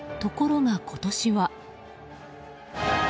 ところが今年は。